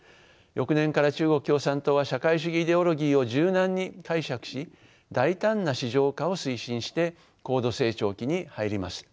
翌年から中国共産党は社会主義イデオロギーを柔軟に解釈し大胆な市場化を推進して高度成長期に入ります。